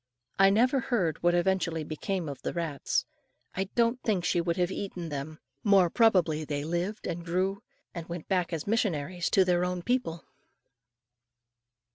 I never heard what eventually became of the rats. I don't think she would have eaten them. More probably they lived and grew, and went back as missionaries to their own people.